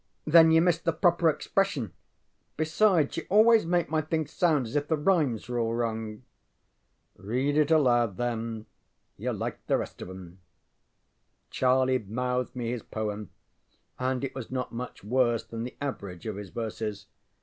ŌĆØ ŌĆ£Then you miss the proper expression. Besides, you always make my things sound as if the rhymes were all wrong. ŌĆ£Read it aloud, then. YouŌĆÖre like the rest of ŌĆśem.ŌĆØ Charlie mouthed me his poem, and it was not much worse than the average of his verses.